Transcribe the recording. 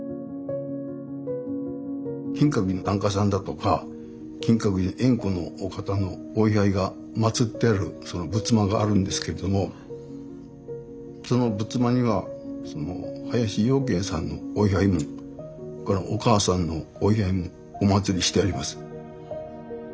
金閣寺の檀家さんだとか金閣寺縁故のお方のお位牌がまつってある仏間があるんですけどもその仏間には林養賢さんのお位牌もそれからお母さんのお位牌もおまつりしてあります。